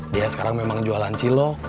dia sekarang memang jualan cilo